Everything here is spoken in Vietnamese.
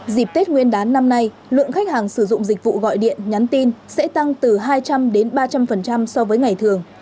dịp tết nguyên đán năm nay lượng khách hàng sử dụng dịch vụ gọi điện nhắn tin sẽ tăng từ hai trăm linh đến ba trăm linh so với ngày thường